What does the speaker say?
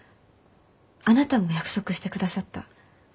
あなたも約束してくださった。